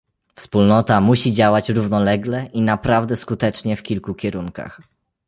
Wspólnota musi działać równolegle i naprawdę skutecznie w kilku kierunkach